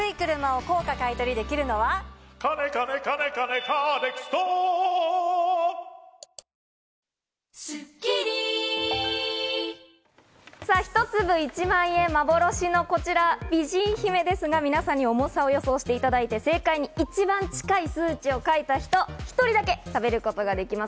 カネカネカネカネカーネクスト１粒１万円、幻のこちら、美人姫ですが皆さんに重さを予想していただいて、正解に一番近い数値を書いた人、一人だけ食べることができます。